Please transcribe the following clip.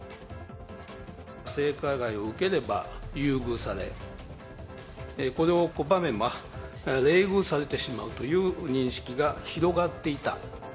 性加害を受ければ優遇され、これを拒めば冷遇されてしまうという認識が広がっていた。